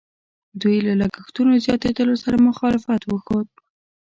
دوی له لګښتونو زیاتېدلو سره مخالفت وښود.